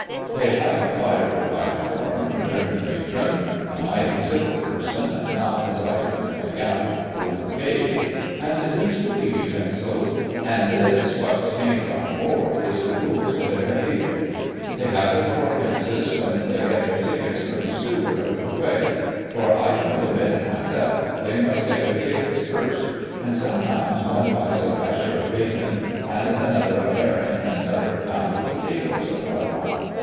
' They have a fire provided for 'em,' returned the matron, — a mighty civil person, not, as I could make out, overpaid ;' and these cooking utensils. And this what's painted on a board is the rules for their behaviour. They have their fourpences when they get their tickets from the steward over the way, — for I don't admit 'em myself, they must get their tickets first, — and sometimes one buys a rasher of bacon, and another a herring, and another a pound of RICHARD WATTS'S CHARITY 65 potatoes, or what not.